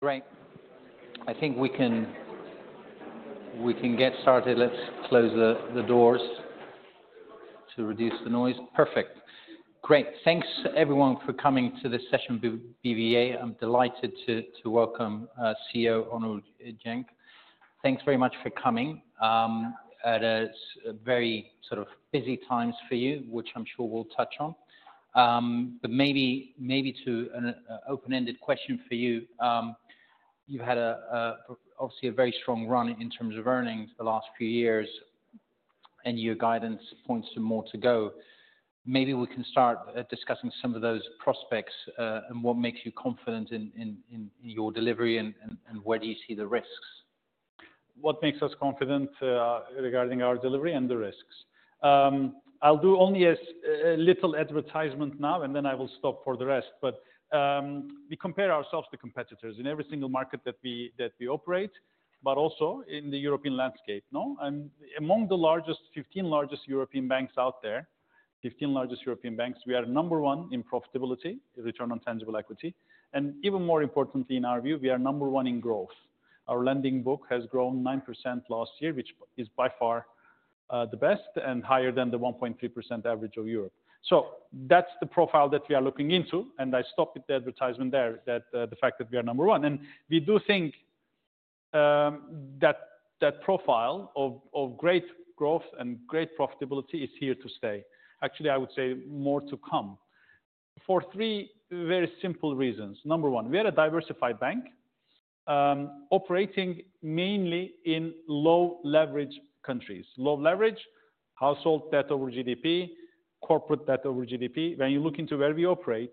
Great. I think we can get started. Let's close the doors to reduce the noise. Perfect. Great. Thanks, everyone, for coming to this session of BBVA. I'm delighted to welcome CEO Onur Genç. Thanks very much for coming. It's very busy times for you, which I'm sure we'll touch on. Maybe to an open-ended question for you, you've had obviously a very strong run in terms of earnings the last few years, and your guidance points to more to go. Maybe we can start discussing some of those prospects and what makes you confident in your delivery, and where do you see the risks? What makes us confident regarding our delivery and the risks? I'll do only a little advertisement now, and then I will stop for the rest. We compare ourselves to competitors in every single market that we operate, but also in the European landscape. Among the 15 largest European banks out there, 15 largest European banks, we are number one in profitability, return on tangible equity. Even more importantly, in our view, we are number one in growth. Our lending book has grown 9% last year, which is by far the best and higher than the 1.3% average of Europe. That is the profile that we are looking into. I stop with the advertisement there, the fact that we are number one. We do think that profile of great growth and great profitability is here to stay. Actually, I would say more to come for three very simple reasons. Number one, we are a diversified bank operating mainly in low-leverage countries. Low leverage, household debt over GDP, corporate debt over GDP. When you look into where we operate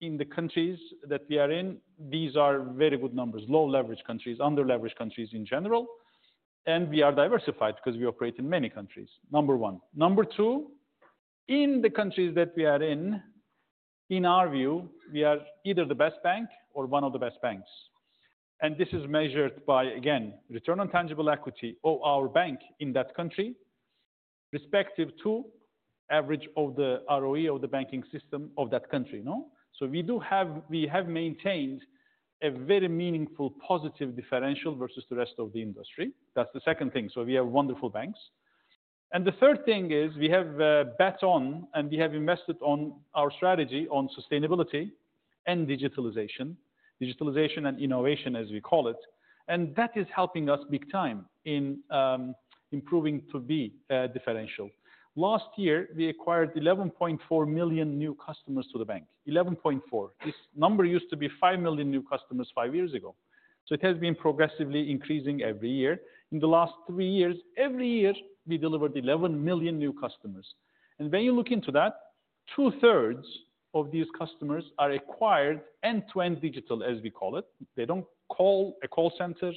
in the countries that we are in, these are very good numbers, low-leverage countries, under-leverage countries in general. We are diversified because we operate in many countries. Number one. Number two, in the countries that we are in, in our view, we are either the best bank or one of the best banks. This is measured by, again, return on tangible equity of our bank in that country respective to average of the ROE of the banking system of that country. We have maintained a very meaningful positive differential versus the rest of the industry. That is the second thing. We have wonderful banks. The third thing is we have bet on and we have invested on our strategy on sustainability and digitalization, digitalization and innovation, as we call it. That is helping us big time in improving to be a differential. Last year, we acquired 11.4 million new customers to the bank, 11.4. This number used to be 5 million new customers five years ago. It has been progressively increasing every year. In the last three years, every year, we delivered 11 million new customers. When you look into that, two-thirds of these customers are acquired end-to-end digital, as we call it. They do not call a call center.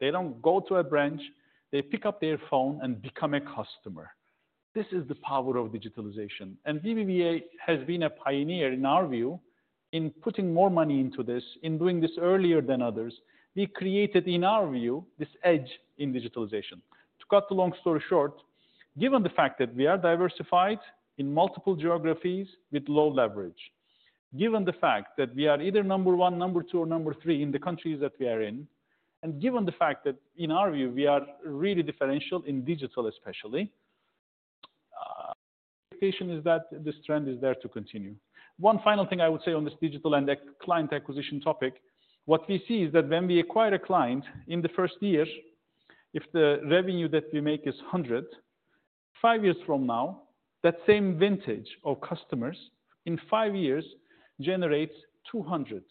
They do not go to a branch. They pick up their phone and become a customer. This is the power of digitalization. BBVA has been a pioneer, in our view, in putting more money into this, in doing this earlier than others. We created, in our view, this edge in digitalization. To cut the long story short, given the fact that we are diversified in multiple geographies with low leverage, given the fact that we are either number one, number two, or number three in the countries that we are in, and given the fact that, in our view, we are really differential in digital, especially, the expectation is that this trend is there to continue. One final thing I would say on this digital and client acquisition topic, what we see is that when we acquire a client in the first year, if the revenue that we make is 100, five years from now, that same vintage of customers in five years generates 200.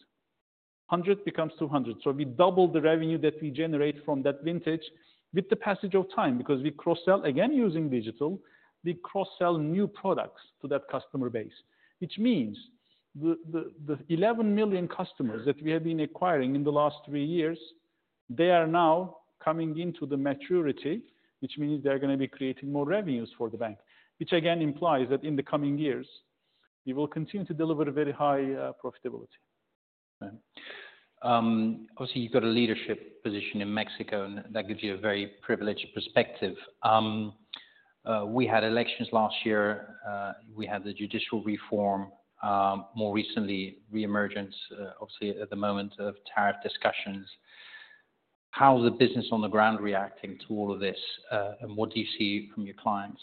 100 becomes 200. We double the revenue that we generate from that vintage with the passage of time because we cross-sell, again, using digital. We cross-sell new products to that customer base, which means the 11 million customers that we have been acquiring in the last three years, they are now coming into the maturity, which means they're going to be creating more revenues for the bank, which again implies that in the coming years, we will continue to deliver very high profitability. Obviously, you've got a leadership position in Mexico, and that gives you a very privileged perspective. We had elections last year. We had the judicial reform, more recently, re-emergence, obviously, at the moment of tariff discussions. How is the business on the ground reacting to all of this? What do you see from your clients?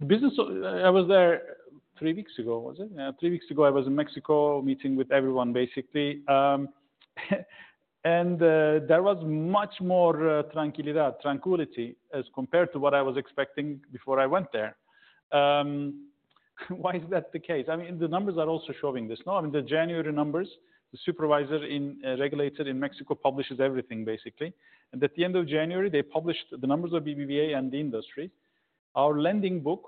The business, I was there three weeks ago, was it? Three weeks ago, I was in Mexico meeting with everyone, basically. There was much more tranquility as compared to what I was expecting before I went there. Why is that the case? I mean, the numbers are also showing this. I mean, the January numbers, the supervisor and regulator in Mexico publishes everything, basically. At the end of January, they published the numbers of BBVA and the industry. Our lending book,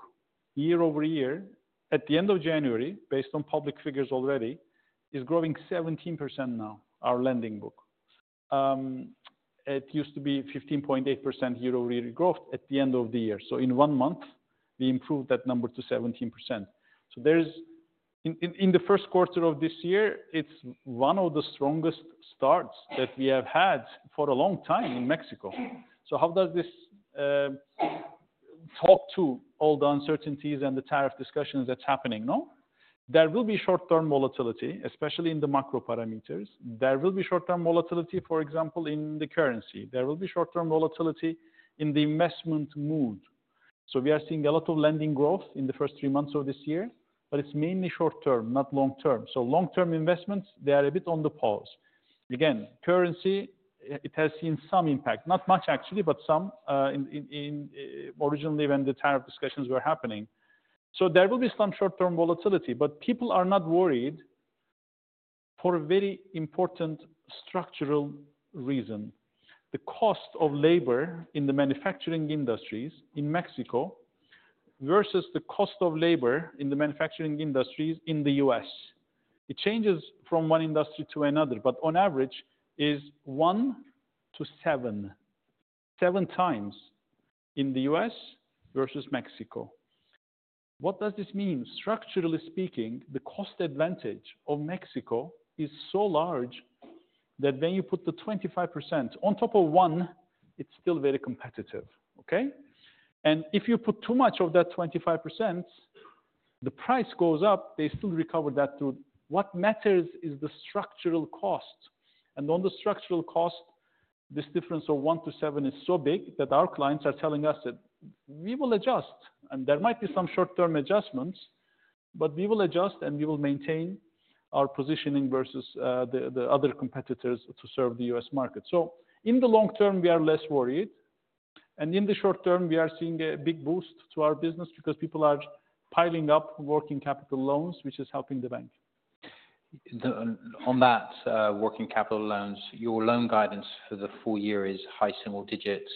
year over year, at the end of January, based on public figures already, is growing 17% now, our lending book. It used to be 15.8% year over year growth at the end of the year. In one month, we improved that number to 17%. In the first quarter of this year, it's one of the strongest starts that we have had for a long time in Mexico. How does this talk to all the uncertainties and the tariff discussions that are happening? There will be short-term volatility, especially in the macro parameters. There will be short-term volatility, for example, in the currency. There will be short-term volatility in the investment mood. We are seeing a lot of lending growth in the first three months of this year, but it's mainly short-term, not long-term. Long-term investments, they are a bit on the pause. Again, currency, it has seen some impact, not much, actually, but some originally when the tariff discussions were happening. There will be some short-term volatility, but people are not worried for a very important structural reason. The cost of labor in the manufacturing industries in Mexico versus the cost of labor in the manufacturing industries in the U.S., it changes from one industry to another, but on average, is one to seven, seven times in the U.S. versus Mexico. What does this mean? Structurally speaking, the cost advantage of Mexico is so large that when you put the 25% on top of one, it's still very competitive. Okay? If you put too much of that 25%, the price goes up. They still recover that through. What matters is the structural cost. On the structural cost, this difference of one to seven is so big that our clients are telling us that we will adjust. There might be some short-term adjustments, but we will adjust and we will maintain our positioning versus the other competitors to serve the U.S. market. In the long term, we are less worried. In the short term, we are seeing a big boost to our business because people are piling up working capital loans, which is helping the bank. On that working capital loans, your loan guidance for the full year is high single digits.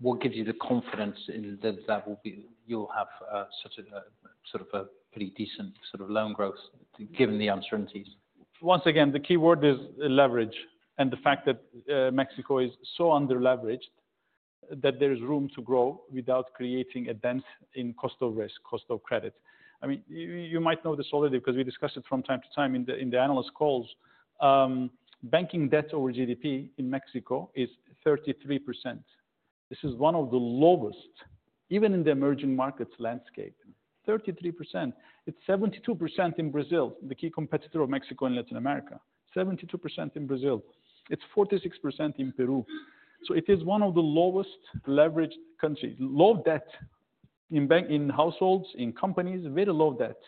What gives you the confidence that you'll have sort of a pretty decent sort of loan growth given the uncertainties? Once again, the key word is leverage and the fact that Mexico is so under-leveraged that there is room to grow without creating a dent in cost of risk, cost of credit. I mean, you might know this already because we discuss it from time to time in the analyst calls. Banking debt over GDP in Mexico is 33%. This is one of the lowest, even in the emerging markets landscape, 33%. It's 72% in Brazil, the key competitor of Mexico and Latin America, 72% in Brazil. It's 46% in Peru. It is one of the lowest leveraged countries, low debt in households, in companies, very low debt.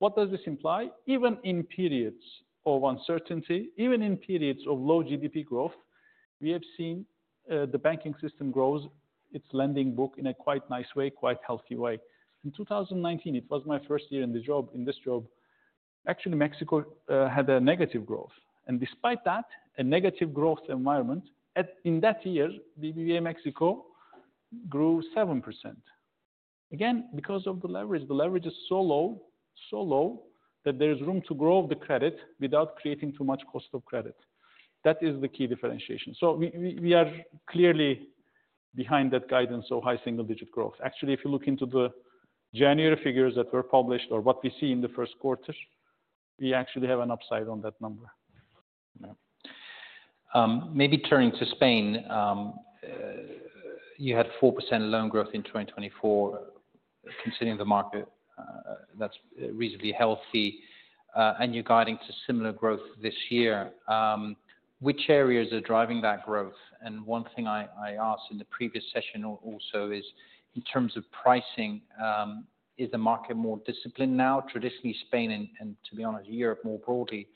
What does this imply? Even in periods of uncertainty, even in periods of low GDP growth, we have seen the banking system grow its lending book in a quite nice way, quite healthy way. In 2019, it was my first year in this job. Actually, Mexico had a negative growth. Actually, despite that, a negative growth environment, in that year, BBVA Mexico grew 7%. Again, because of the leverage. The leverage is so low, so low that there is room to grow the credit without creating too much cost of credit. That is the key differentiation. We are clearly behind that guidance of high single-digit growth. Actually, if you look into the January figures that were published or what we see in the first quarter, we actually have an upside on that number. Maybe turning to Spain, you had 4% loan growth in 2024, considering the market. That's reasonably healthy. You're guiding to similar growth this year. Which areas are driving that growth? One thing I asked in the previous session also is, in terms of pricing, is the market more disciplined now? Traditionally, Spain, and to be honest, Europe more broadly,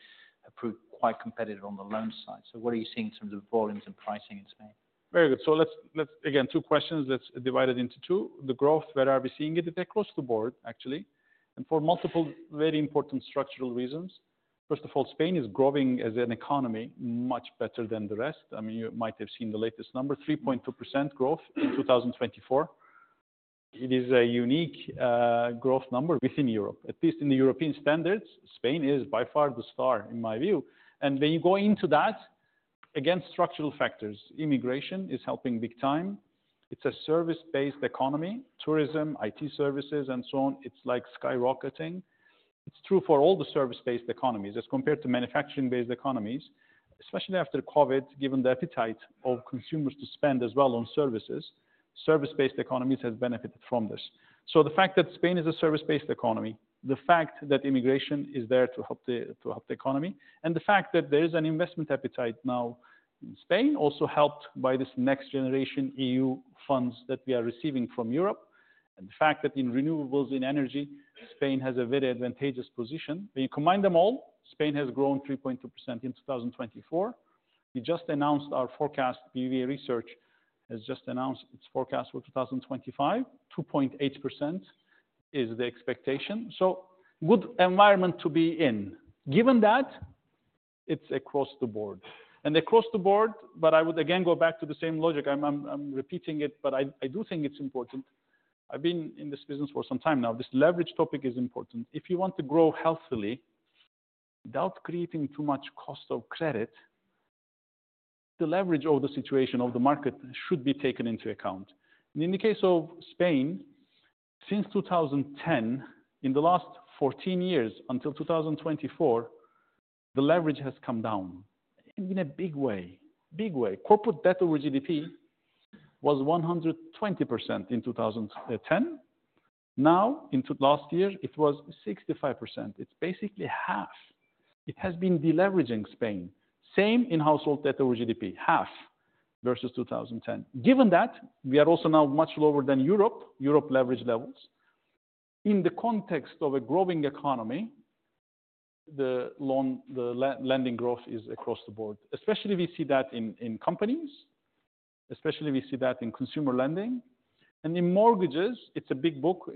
have proved quite competitive on the loan side. What are you seeing in terms of volumes and pricing in Spain? Very good. Again, two questions that's divided into two. The growth, where are we seeing it? It's across the board, actually, and for multiple very important structural reasons. First of all, Spain is growing as an economy much better than the rest. I mean, you might have seen the latest number, 3.2% growth in 2024. It is a unique growth number within Europe. At least in the European standards, Spain is by far the star, in my view. When you go into that, again, structural factors, immigration is helping big time. It's a service-based economy. Tourism, IT services, and so on, it's like skyrocketing. It's true for all the service-based economies. As compared to manufacturing-based economies, especially after COVID, given the appetite of consumers to spend as well on services, service-based economies have benefited from this. The fact that Spain is a service-based economy, the fact that immigration is there to help the economy, and the fact that there is an investment appetite now in Spain, also helped by this Next Generation EU funds that we are receiving from Europe, and the fact that in renewables, in energy, Spain has a very advantageous position. When you combine them all, Spain has grown 3.2% in 2024. We just announced our forecast. BBVA Research has just announced its forecast for 2025. 2.8% is the expectation. Good environment to be in. Given that, it's across the board. Across the board, but I would again go back to the same logic. I'm repeating it, but I do think it's important. I've been in this business for some time now. This leverage topic is important. If you want to grow healthily without creating too much cost of credit, the leverage of the situation of the market should be taken into account. In the case of Spain, since 2010, in the last 14 years until 2024, the leverage has come down in a big way, big way. Corporate debt over GDP was 120% in 2010. Now, in last year, it was 65%. It is basically half. It has been deleveraging Spain. Same in household debt over GDP, half versus 2010. Given that, we are also now much lower than Europe, Europe leverage levels. In the context of a growing economy, the lending growth is across the board. Especially we see that in companies. Especially we see that in consumer lending. In mortgages, it is a big book.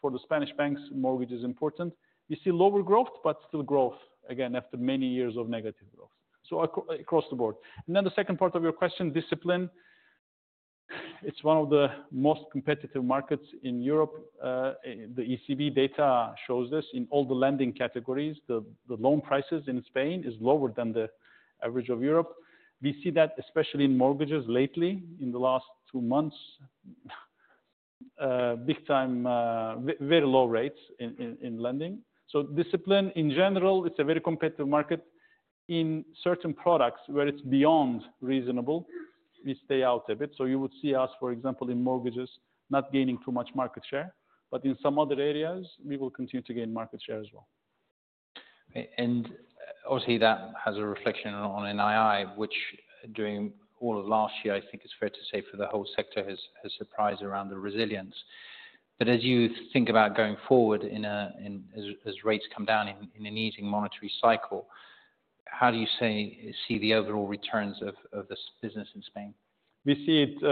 For the Spanish banks, mortgage is important. You see lower growth, but still growth, again, after many years of negative growth. Across the board. The second part of your question, discipline, it's one of the most competitive markets in Europe. The ECB data shows this in all the lending categories. The loan prices in Spain are lower than the average of Europe. We see that, especially in mortgages lately, in the last two months, big time, very low rates in lending. Discipline, in general, it's a very competitive market. In certain products where it's beyond reasonable, we stay out a bit. You would see us, for example, in mortgages, not gaining too much market share. In some other areas, we will continue to gain market share as well. Obviously, that has a reflection on NII, which during all of last year, I think it's fair to say for the whole sector has surprised around the resilience. As you think about going forward as rates come down in an easing monetary cycle, how do you see the overall returns of this business in Spain? We see it.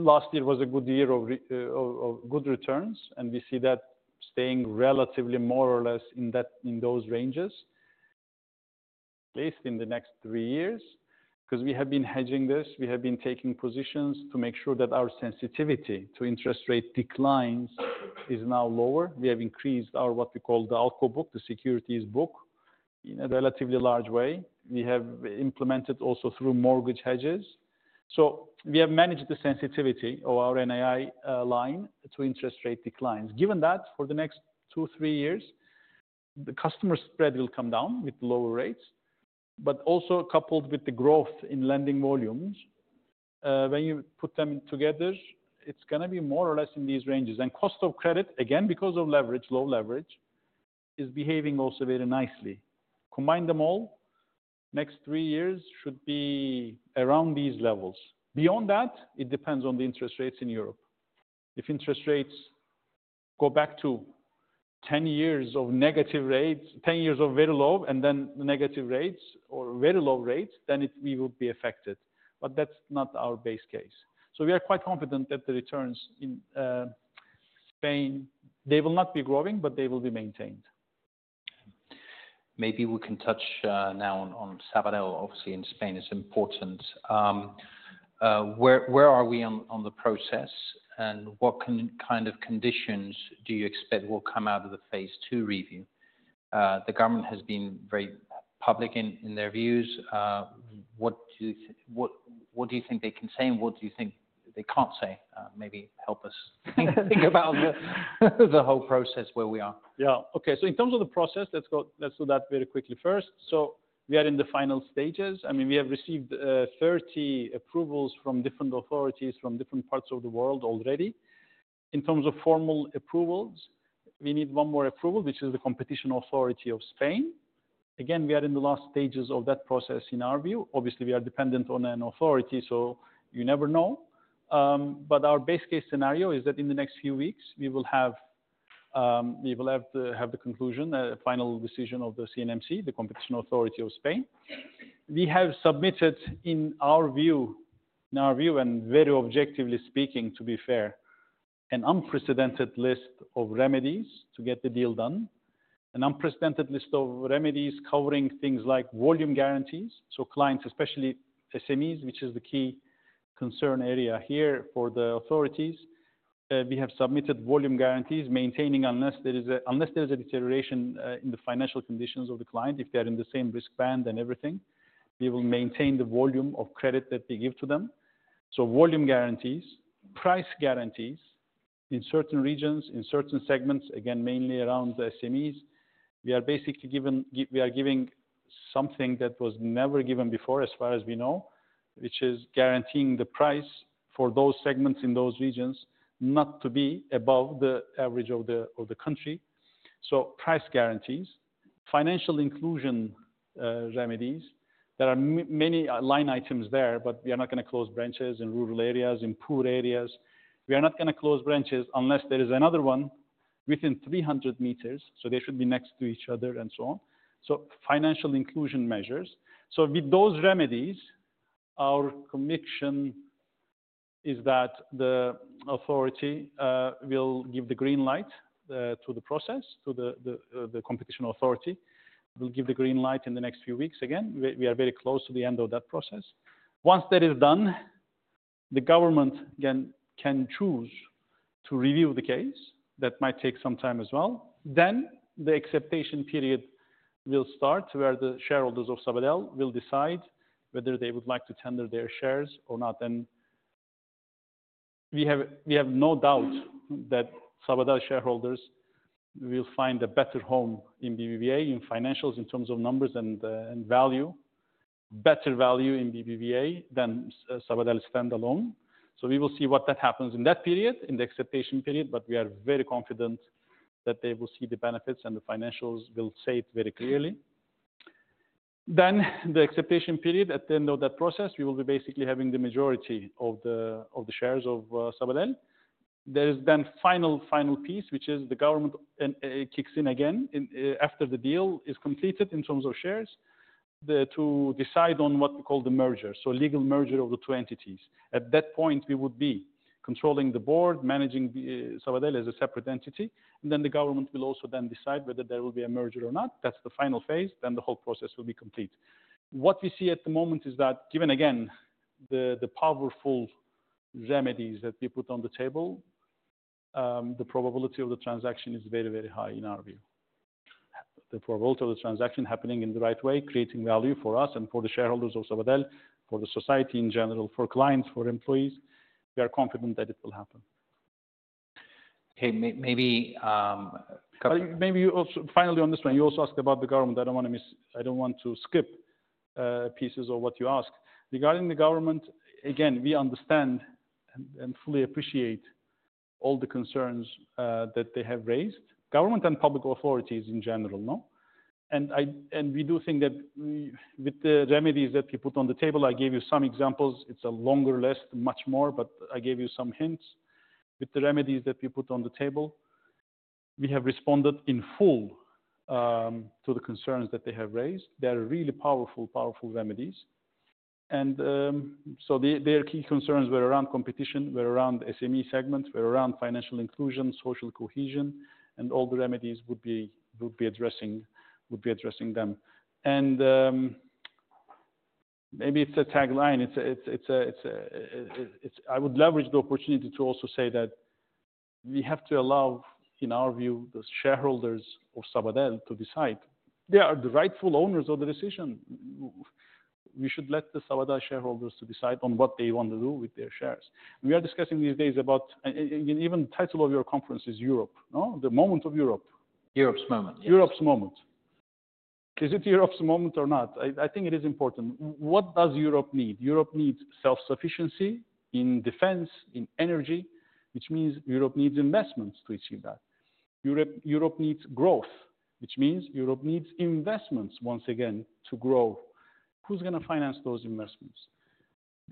Last year, it was a good year of good returns. We see that staying relatively more or less in those ranges at least in the next three years because we have been hedging this. We have been taking positions to make sure that our sensitivity to interest rate declines is now lower. We have increased our what we call the ALCO Book, the securities book, in a relatively large way. We have implemented also through mortgage hedges. We have managed the sensitivity of our NII line to interest rate declines. Given that, for the next two, three years, the customer spread will come down with lower rates, but also coupled with the growth in lending volumes. When you put them together, it is going to be more or less in these ranges. Cost of credit, again, because of leverage, low leverage, is behaving also very nicely. Combine them all, next three years should be around these levels. Beyond that, it depends on the interest rates in Europe. If interest rates go back to 10 years of negative rates, 10 years of very low, and then negative rates or very low rates, we would be affected. That is not our base case. We are quite confident that the returns in Spain, they will not be growing, but they will be maintained. Maybe we can touch now on Sabadell, obviously, in Spain is important. Where are we on the process? What kind of conditions do you expect will come out of the phase two review? The government has been very public in their views. What do you think they can say and what do you think they can't say? Maybe help us think about the whole process where we are. Yeah. Okay. In terms of the process, let's do that very quickly first. We are in the final stages. I mean, we have received 30 approvals from different authorities from different parts of the world already. In terms of formal approvals, we need one more approval, which is the competition authority of Spain. Again, we are in the last stages of that process in our view. Obviously, we are dependent on an authority, so you never know. Our base case scenario is that in the next few weeks, we will have the conclusion, the final decision of the CNMC, the competition authority of Spain. We have submitted, in our view, and very objectively speaking, to be fair, an unprecedented list of remedies to get the deal done, an unprecedented list of remedies covering things like volume guarantees. Clients, especially SMEs, which is the key concern area here for the authorities, we have submitted volume guarantees, maintaining unless there is a deterioration in the financial conditions of the client, if they are in the same risk band and everything, we will maintain the volume of credit that we give to them. Volume guarantees, price guarantees in certain regions, in certain segments, again, mainly around the SMEs. We are basically giving something that was never given before, as far as we know, which is guaranteeing the price for those segments in those regions not to be above the average of the country. Price guarantees, financial inclusion remedies. There are many line items there, but we are not going to close branches in rural areas, in poor areas. We are not going to close branches unless there is another one within 300 meters. They should be next to each other and so on. Financial inclusion measures. With those remedies, our conviction is that the authority will give the green light to the process, the competition authority will give the green light in the next few weeks. We are very close to the end of that process. Once that is done, the government can choose to review the case. That might take some time as well. The acceptation period will start where the shareholders of Sabadell will decide whether they would like to tender their shares or not. We have no doubt that Sabadell shareholders will find a better home in BBVA in financials in terms of numbers and value, better value in BBVA than Sabadell standalone. We will see what happens in that period, in the acceptation period, but we are very confident that they will see the benefits and the financials will say it very clearly. In the acceptation period, at the end of that process, we will be basically having the majority of the shares of Sabadell. There is a final piece, which is the government kicks in again after the deal is completed in terms of shares to decide on what we call the merger, so legal merger of the two entities. At that point, we would be controlling the board, managing Sabadell as a separate entity. The government will also then decide whether there will be a merger or not. That is the final phase. The whole process will be complete. What we see at the moment is that, given again the powerful remedies that we put on the table, the probability of the transaction is very, very high in our view. The probability of the transaction happening in the right way, creating value for us and for the shareholders of Sabadell, for the society in general, for clients, for employees, we are confident that it will happen. Okay. Maybe. Maybe finally on this one, you also asked about the government. I do not want to miss, I do not want to skip pieces of what you asked. Regarding the government, again, we understand and fully appreciate all the concerns that they have raised. Government and public authorities in general, no? We do think that with the remedies that we put on the table, I gave you some examples. It is a longer list, much more, but I gave you some hints. With the remedies that we put on the table, we have responded in full to the concerns that they have raised. They are really powerful, powerful remedies. Their key concerns were around competition, were around SME segment, were around financial inclusion, social cohesion, and all the remedies would be addressing them. Maybe it is a tagline. I would leverage the opportunity to also say that we have to allow, in our view, the shareholders of Sabadell to decide. They are the rightful owners of the decision. We should let the Sabadell shareholders decide on what they want to do with their shares. We are discussing these days about, and even the title of your conference is Europe, no? The moment of Europe. Europe's moment. Europe's moment. Is it Europe's moment or not? I think it is important. What does Europe need? Europe needs self-sufficiency in defense, in energy, which means Europe needs investments to achieve that. Europe needs growth, which means Europe needs investments, once again, to grow. Who's going to finance those investments?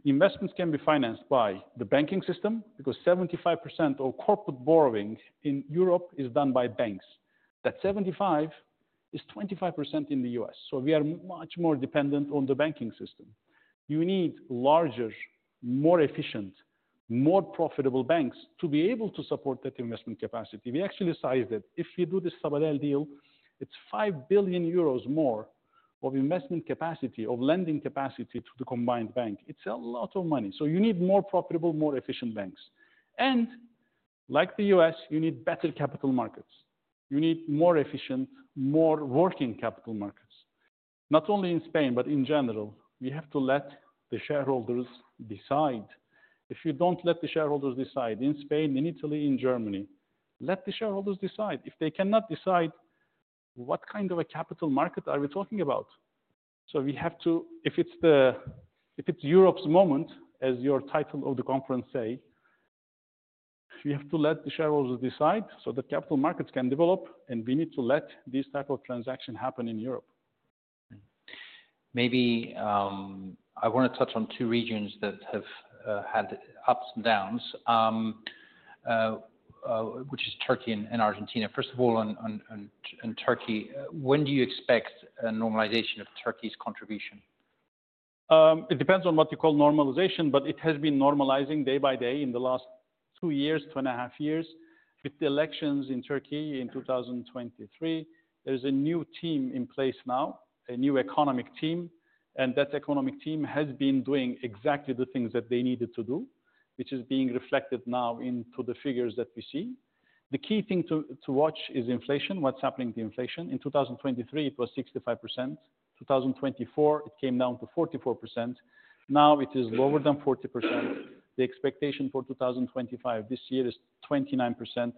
Investments can be financed by the banking system because 75% of corporate borrowing in Europe is done by banks. That 75% is 25% in the U.S. We are much more dependent on the banking system. You need larger, more efficient, more profitable banks to be able to support that investment capacity. We actually sized it. If we do this Sabadell deal, it's 5 billion euros more of investment capacity, of lending capacity to the combined bank. It's a lot of money. You need more profitable, more efficient banks. Like the U.S., you need better capital markets. You need more efficient, more working capital markets. Not only in Spain, but in general, we have to let the shareholders decide. If you do not let the shareholders decide in Spain, in Italy, in Germany, let the shareholders decide. If they cannot decide, what kind of a capital market are we talking about? If it is Europe's moment, as your title of the conference says, we have to let the shareholders decide so that capital markets can develop, and we need to let this type of transaction happen in Europe. Maybe I want to touch on two regions that have had ups and downs, which is Turkey and Argentina. First of all, in Turkey, when do you expect a normalization of Turkey's contribution? It depends on what you call normalization, but it has been normalizing day by day in the last two years, two and a half years. With the elections in Turkey in 2023, there is a new team in place now, a new economic team. That economic team has been doing exactly the things that they needed to do, which is being reflected now into the figures that we see. The key thing to watch is inflation, what's happening to inflation. In 2023, it was 65%. In 2024, it came down to 44%. Now it is lower than 40%. The expectation for 2025, this year is 29%.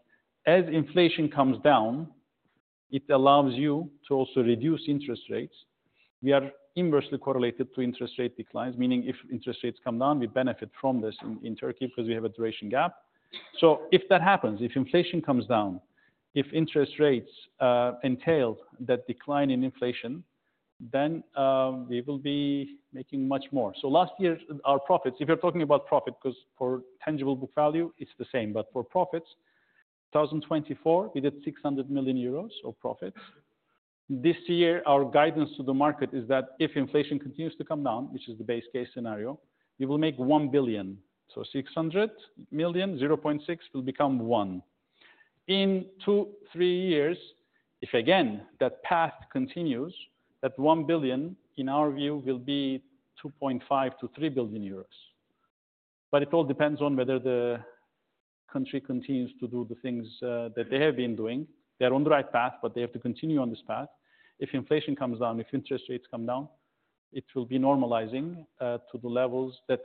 As inflation comes down, it allows you to also reduce interest rates. We are inversely correlated to interest rate declines, meaning if interest rates come down, we benefit from this in Turkey because we have a duration gap. If that happens, if inflation comes down, if interest rates entail that decline in inflation, then we will be making much more. Last year, our profits, if you're talking about profit, because for tangible book value, it's the same. For profits, 2024, we did 600 million euros of profits. This year, our guidance to the market is that if inflation continues to come down, which is the base case scenario, we will make 1 billion. 600 million, 0.6 will become 1. In two, three years, if again that path continues, that 1 billion, in our view, will be 2.5-3 billion euros. It all depends on whether the country continues to do the things that they have been doing. They are on the right path, but they have to continue on this path. If inflation comes down, if interest rates come down, it will be normalizing to the levels that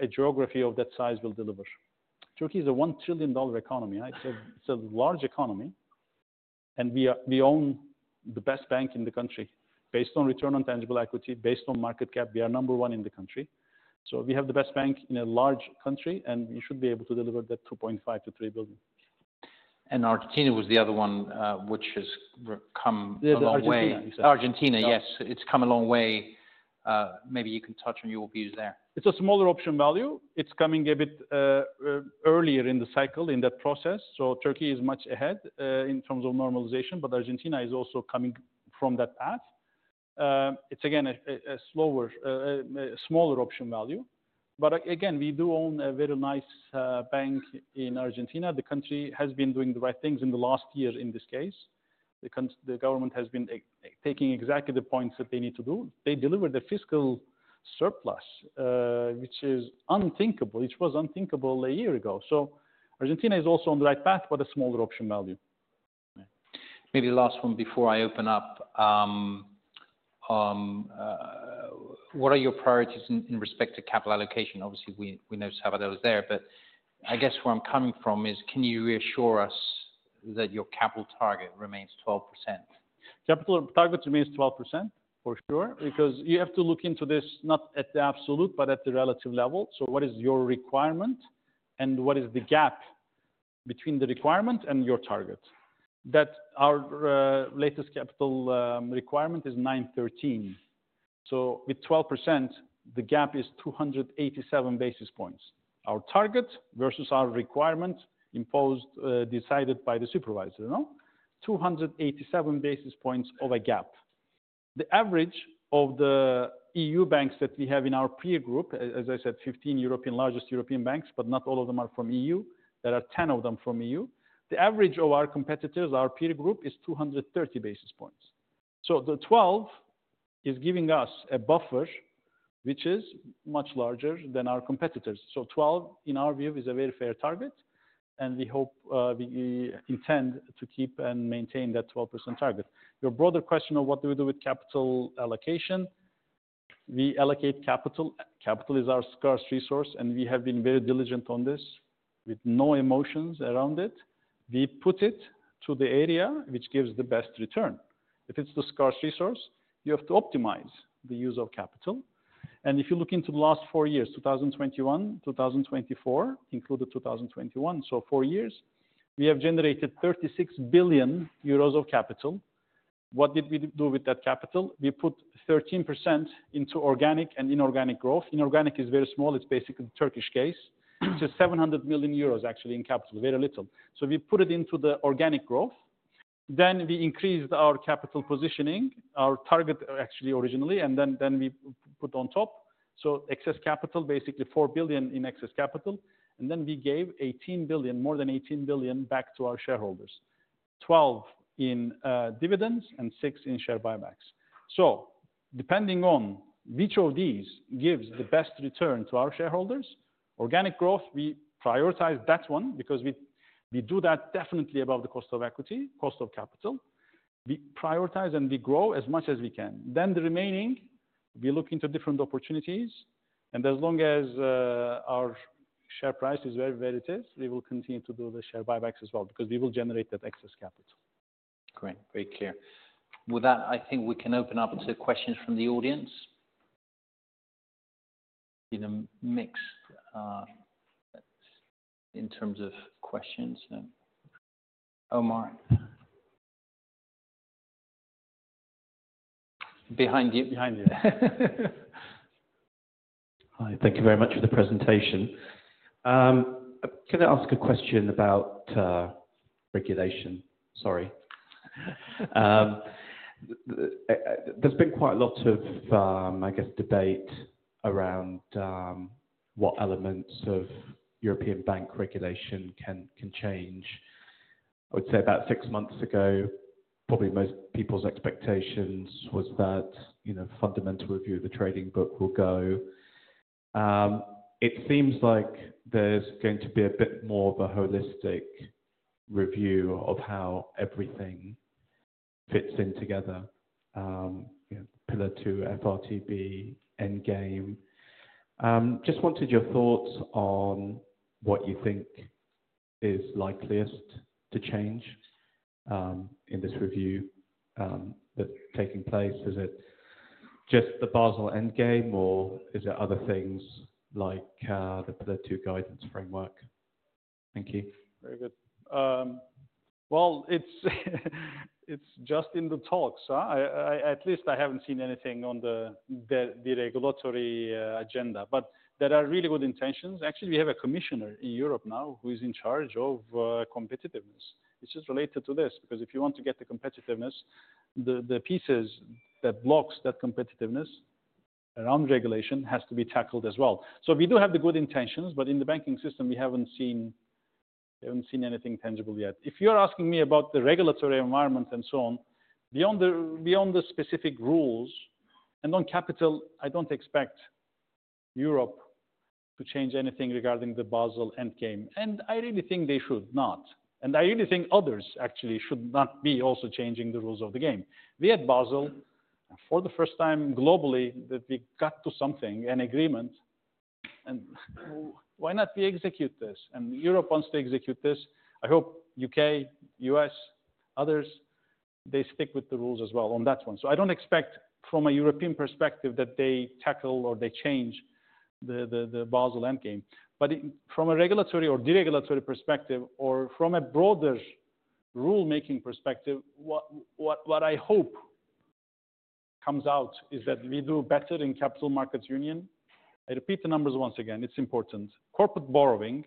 a geography of that size will deliver. Turkey is a $1 trillion economy. It is a large economy. And we own the best bank in the country. Based on return on tangible equity, based on market cap, we are number one in the country. So we have the best bank in a large country, and we should be able to deliver that $2.5 billion-$3 billion. Argentina was the other one which has come a long way. Argentina, yes. It's come a long way. Maybe you can touch on your views there. It's a smaller option value. It's coming a bit earlier in the cycle, in that process. Turkey is much ahead in terms of normalization, but Argentina is also coming from that path. It's again a smaller option value. Again, we do own a very nice bank in Argentina. The country has been doing the right things in the last year in this case. The government has been taking exactly the points that they need to do. They deliver the fiscal surplus, which is unthinkable. It was unthinkable a year ago. Argentina is also on the right path, but a smaller option value. Maybe last one before I open up. What are your priorities in respect to capital allocation? Obviously, we know Sabadell is there, but I guess where I'm coming from is, can you reassure us that your capital target remains 12%? Capital target remains 12%, for sure, because you have to look into this not at the absolute, but at the relative level. What is your requirement and what is the gap between the requirement and your target? Our latest capital requirement is 9.13%. With 12%, the gap is 287 basis points. Our target versus our requirement imposed, decided by the supervisor, no? 287 basis points of a gap. The average of the EU banks that we have in our peer group, as I said, 15 European largest European banks, but not all of them are from EU. There are 10 of them from EU. The average of our competitors, our peer group, is 230 basis points. The 12 is giving us a buffer, which is much larger than our competitors. Twelve, in our view, is a very fair target. We hope, we intend to keep and maintain that 12% target. Your broader question of what do we do with capital allocation? We allocate capital. Capital is our scarce resource, and we have been very diligent on this with no emotions around it. We put it to the area which gives the best return. If it is the scarce resource, you have to optimize the use of capital. If you look into the last four years, 2021-2024, including 2021, so four years, we have generated 36 billion euros of capital. What did we do with that capital? We put 13% into organic and inorganic growth. Inorganic is very small. It is basically the Turkish case. It is 700 million euros, actually, in capital, very little. We put it into the organic growth. We increased our capital positioning, our target, actually, originally, and we put on top. Excess capital, basically 4 billion in excess capital. We gave more than 18 billion back to our shareholders, 12 billion in dividends and 6 billion in share buybacks. Depending on which of these gives the best return to our shareholders, organic growth, we prioritize that one because we do that definitely above the cost of equity, cost of capital. We prioritize and we grow as much as we can. The remaining, we look into different opportunities. As long as our share price is where it is, we will continue to do the share buybacks as well because we will generate that excess capital. Great. Very clear. With that, I think we can open up to questions from the audience in a mixed in terms of questions. Omar. Behind you. Hi. Thank you very much for the presentation. Can I ask a question about regulation? Sorry. There's been quite a lot of, I guess, debate around what elements of European bank regulation can change. I would say about six months ago, probably most people's expectations was that fundamental review of the trading book will go. It seems like there's going to be a bit more of a holistic review of how everything fits in together, pillar 2, FRTB, endgame. Just wanted your thoughts on what you think is likeliest to change in this review that's taking place. Is it just the Basel Endgame or is there other things like the pillar 2 guidance framework? Thank you. Very good. It's just in the talks. At least I haven't seen anything on the regulatory agenda. There are really good intentions. Actually, we have a commissioner in Europe now who is in charge of competitiveness, which is related to this because if you want to get the competitiveness, the pieces that block that competitiveness around regulation have to be tackled as well. We do have the good intentions, but in the banking system, we haven't seen anything tangible yet. If you're asking me about the regulatory environment and so on, beyond the specific rules and on capital, I don't expect Europe to change anything regarding the Basel Endgam. I really think they should not. I really think others actually should not be also changing the rules of the game. We at Basel, for the first time globally, that we got to something, an agreement, and why not we execute this? Europe wants to execute this. I hope U.K., U.S., others, they stick with the rules as well on that one. I do not expect from a European perspective that they tackle or they change the Basel Endgame. From a regulatory or deregulatory perspective or from a broader rulemaking perspective, what I hope comes out is that we do better in CCapital Markets Union. I repeat the numbers once again. It is important. Corporate borrowing,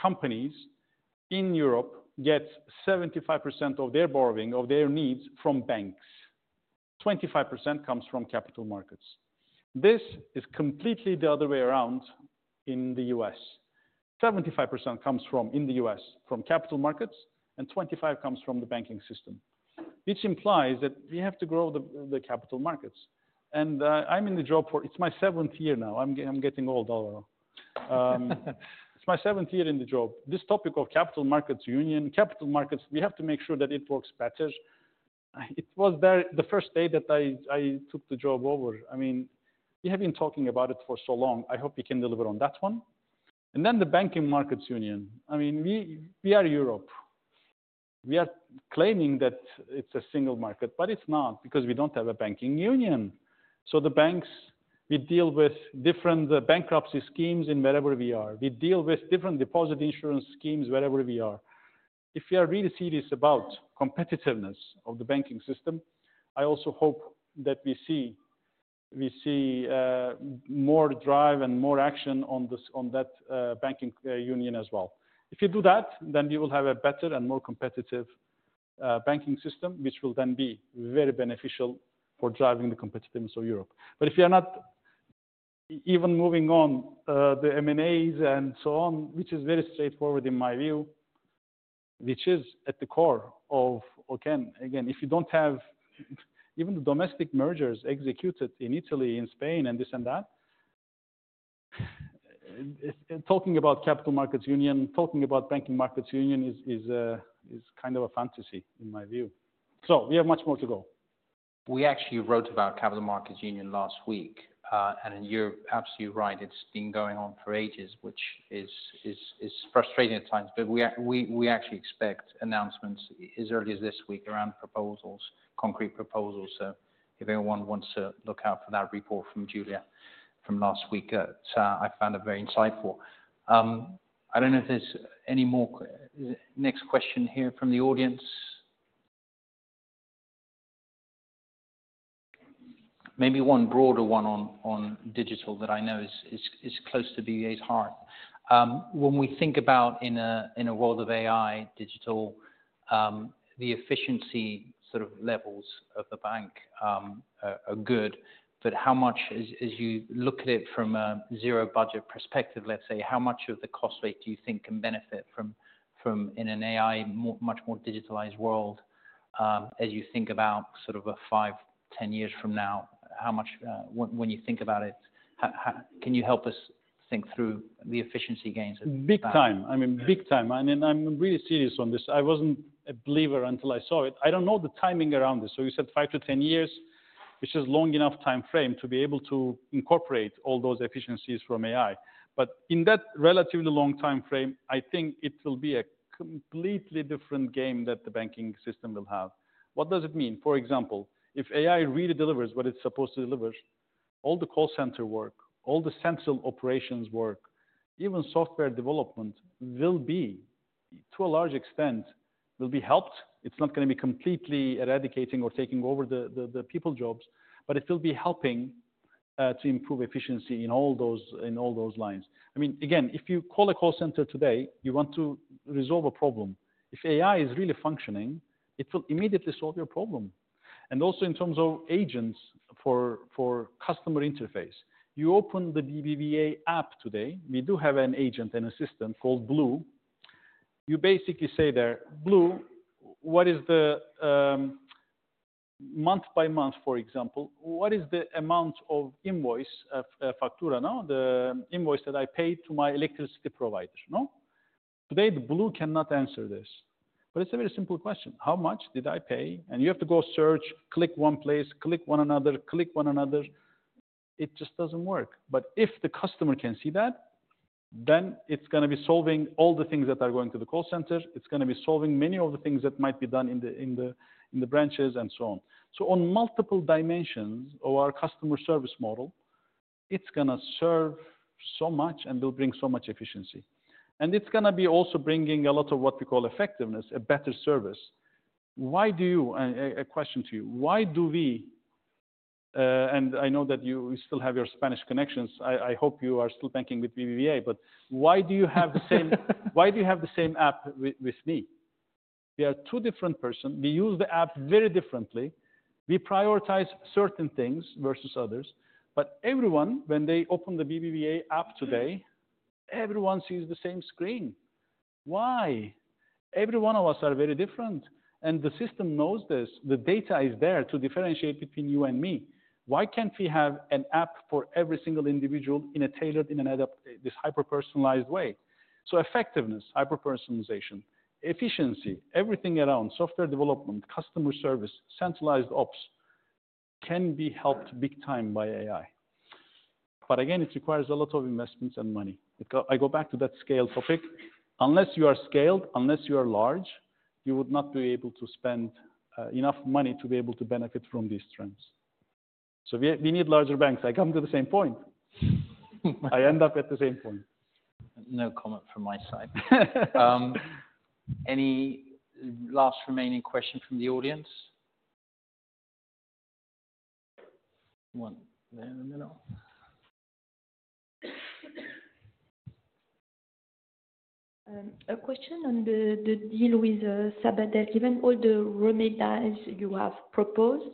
companies in Europe get 75% of their borrowing, of their needs from banks. 25% comes from capital markets. This is completely the other way around in the U.S. 75% comes from in the U.S. from capital markets and 25% comes from the banking system, which implies that we have to grow the capital markets. I'm in the job for, it's my seventh year now. I'm getting old. It's my seventh year in the job. This topic of Capital Markets Union, capital markets, we have to make sure that it works better. It was there the first day that I took the job over. I mean, we have been talking about it for so long. I hope we can deliver on that one. The banking markets union. I mean, we are Europe. We are claiming that it's a single market, but it's not because we don't have a banking union. The banks, we deal with different bankruptcy schemes in wherever we are. We deal with different deposit insurance schemes wherever we are. If we are really serious about competitiveness of the banking system, I also hope that we see more drive and more action on that banking union as well. If you do that, then you will have a better and more competitive banking system, which will then be very beneficial for driving the competitiveness of Europe. If you are not even moving on the M&As and so on, which is very straightforward in my view, which is at the core of, again, if you do not have even the domestic mergers executed in Italy, in Spain, and this and that, talking about Capital Markets Union, talking about banking markets union is kind of a fantasy in my view. We have much more to go. We actually wrote about last week. You are absolutely right. It has been going on for ages, which is frustrating at times. We actually expect announcements as early as this week around proposals, concrete proposals. If anyone wants to look out for that report from Julia from last week, I found it very insightful. I do not know if there is any more next question here from the audience. Maybe one broader one on digital that I know is close to BBVA's heart. When we think about in a world of AI, digital, the efficiency sort of levels of the bank are good. How much, as you look at it from a zero budget perspective, let's say, how much of the cost rate do you think can benefit from in an AI, much more digitalized world, as you think about sort of a 5, 10 years from now? When you think about it, can you help us think through the efficiency gains? Big time. I mean, big time. I am really serious on this. I was not a believer until I saw it. I do not know the timing around this. You said 5-10 years, which is a long enough time frame to be able to incorporate all those efficiencies from AI. In that relatively long time frame, I think it will be a completely different game that the banking system will have. What does it mean? For example, if AI really delivers what it is supposed to deliver, all the call center work, all the central operations work, even software development will be, to a large extent, helped. It is not going to be completely eradicating or taking over the people jobs, but it will be helping to improve efficiency in all those lines. I mean, again, if you call a call center today, you want to resolve a problem. If AI is really functioning, it will immediately solve your problem. Also in terms of agents for customer interface, you open the BBVA app today. We do have an agent, an assistant called Blue. You basically say there, "Blue, what is the month by month, for example, what is the amount of invoice, factura now, the invoice that I paid to my electricity provider?" Today, the Blue cannot answer this. It is a very simple question. How much did I pay? You have to go search, click one place, click one another, click one another. It just does not work. If the customer can see that, it is going to be solving all the things that are going to the call center. It is going to be solving many of the things that might be done in the branches and so on. On multiple dimensions of our customer service model, it's going to serve so much and will bring so much efficiency. It's going to be also bringing a lot of what we call effectiveness, a better service. Why do you, a question to you, why do we, and I know that you still have your Spanish connections, I hope you are still banking with BBVA, but why do you have the same, why do you have the same app with me? We are two different persons. We use the app very differently. We prioritize certain things versus others. Everyone, when they open the BBVA app today, everyone sees the same screen. Why? Every one of us are very different. The system knows this. The data is there to differentiate between you and me. Why can't we have an app for every single individual tailored in this hyper-personalized way? Effectiveness, hyper-personalization, efficiency, everything around software development, customer service, centralized ops can be helped big time by AI. Again, it requires a lot of investments and money. I go back to that scale topic. Unless you are scaled, unless you are large, you would not be able to spend enough money to be able to benefit from these trends. We need larger banks. I come to the same point. I end up at the same point. No comment from my side. Any last remaining question from the audience? One minute. A question on the deal with Sabadell. Given all the remedies you have proposed,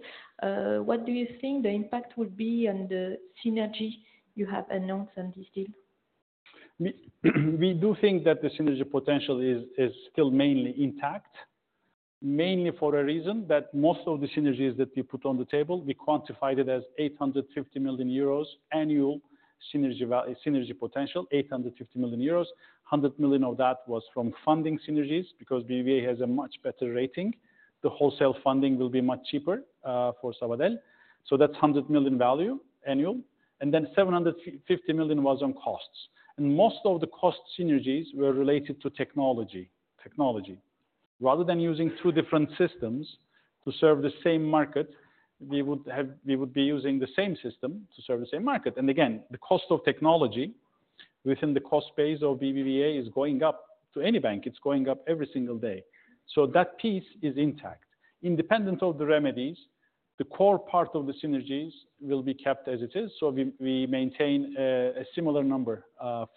what do you think the impact will be on the synergy you have announced on this deal? We do think that the synergy potential is still mainly intact, mainly for a reason that most of the synergies that we put on the table, we quantified it as 850 million euros annual synergy potential, 850 million euros. 100 million of that was from funding synergies because BBVA has a much better rating. The wholesale funding will be much cheaper for Sabadell. That is 100 million value annual. 750 million was on costs. Most of the cost synergies were related to technology. Technology. Rather than using two different systems to serve the same market, we would be using the same system to serve the same market. The cost of technology within the cost base of BBVA is going up to any bank. It is going up every single day. That piece is intact. Independent of the remedies, the core part of the synergies will be kept as it is. We maintain a similar number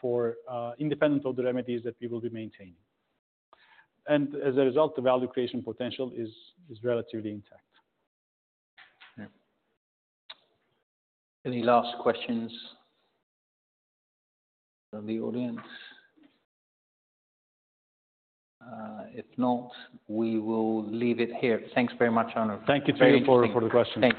for independent of the remedies that we will be maintaining. As a result, the value creation potential is relatively intact. Any last questions from the audience? If not, we will leave it here. Thanks very much, Onur. Thank you for the questions.